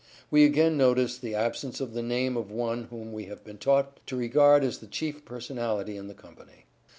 We again notice the absence of the name of one whom we have been taught to regard as the chief personality in the company.